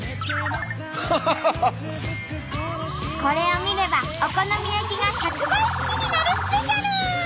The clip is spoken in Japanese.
これを見ればお好み焼きが１００倍好きになるスぺシャル！